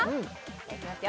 いきます